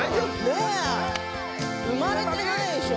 ねえ生まれてないでしょ